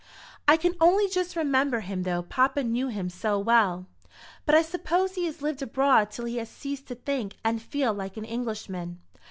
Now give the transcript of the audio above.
"I can only just remember him though papa knew him so well. But I suppose he has lived abroad till he has ceased to think and feel like an Englishman.